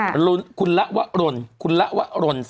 ประธานกรรมการสลากกินแบ่งรัฐบาลเนี่ย